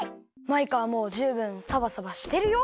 マイカはもうじゅうぶんサバサバしてるよ。